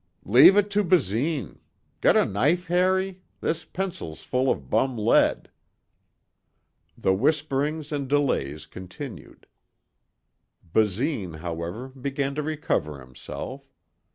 "Leave it to Basine. Got a knife, Harry? This pencil's full of bum lead." The whisperings and delays continued. Basine, however, began to recover himself.